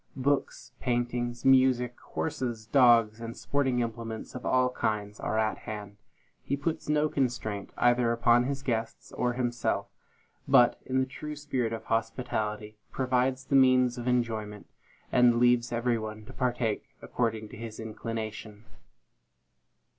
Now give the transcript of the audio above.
Books, paintings, music, horses, dogs, and sporting implements of all kinds, are at hand. He puts no constraint, either upon his guests or himself, but, in the true spirit of hospitality, provides the means of enjoyment, and leaves every one to partake according to his inclination.